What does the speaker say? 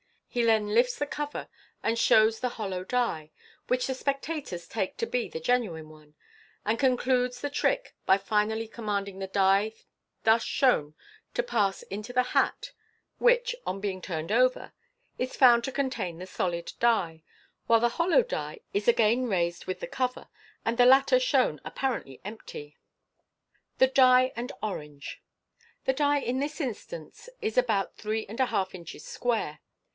He then lifts the cover, and shows the hollow die, which the spectators take to be the genuine one, and concludes the trick by finally commanding the die thus shown to pass into the hat ; which, on being turned over, is found to contain the solid die, while the hollow die is again raised with the cover, and the latter shown apparently empty. Fig. 252. MODERN MA GIC. 4*3 Thb Die and Orange. — The die in this instance is about three and a half inches square.